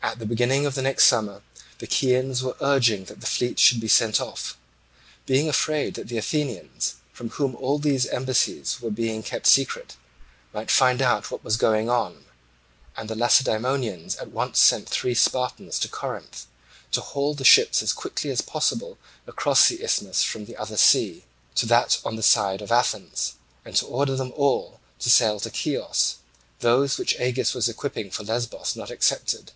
At the beginning of the next summer the Chians were urging that the fleet should be sent off, being afraid that the Athenians, from whom all these embassies were kept a secret, might find out what was going on, and the Lacedaemonians at once sent three Spartans to Corinth to haul the ships as quickly as possible across the Isthmus from the other sea to that on the side of Athens, and to order them all to sail to Chios, those which Agis was equipping for Lesbos not excepted.